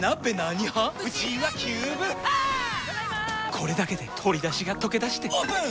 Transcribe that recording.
これだけで鶏だしがとけだしてオープン！